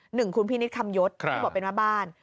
หนึ่งคุณพินิษฐคำยศที่บอกเป็นแม่บ้าน